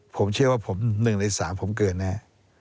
ผมเชื่อว่าหนึ่งในสามผมเกินแน่